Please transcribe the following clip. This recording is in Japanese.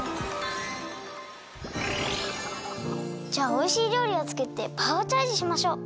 じゃあおいしいりょうりをつくってパワーチャージしましょう！